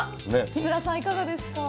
木村さん、いかがですか？